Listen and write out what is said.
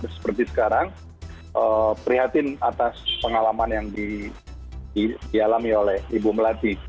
seperti sekarang prihatin atas pengalaman yang dialami oleh ibu melati